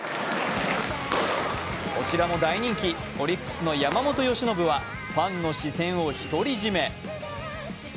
こちらも大人気オリックスの山本由伸はファンの視線を独り占め。